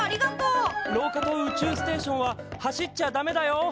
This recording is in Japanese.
廊下と宇宙ステーションは走っちゃダメだよ！